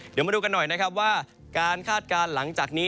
เดี๋ยวมาดูกันหน่อยนะครับว่าการคาดการณ์หลังจากนี้